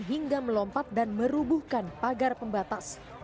hingga melompat dan merubuhkan pagar pembatas